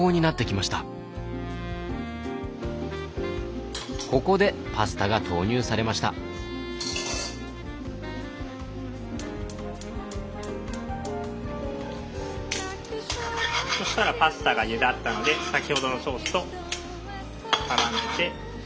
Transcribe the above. そしたらパスタがゆだったんで先ほどのソースと絡めて出来上がりです。